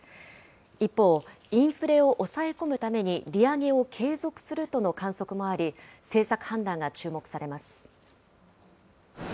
一方、インフレを抑え込むために、利上げを継続するとの観測もあり、政策判断が注目されます。